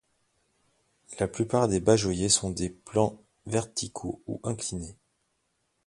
La plupart des bajoyers sont des plans verticaux ou inclinés.